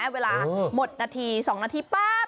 เวลาหมดนาที๒นาทีปั๊บ